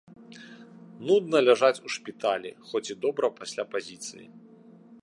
Нудна ляжаць у шпіталі, хоць і добра пасля пазіцыі.